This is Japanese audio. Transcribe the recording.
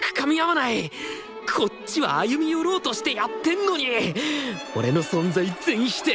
こっちは歩み寄ろうとしてやってんのに俺の存在全否定！